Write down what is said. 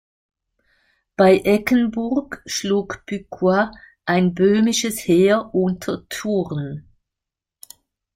Bei Eggenburg schlug Bucquoy ein böhmisches Heer unter Thurn.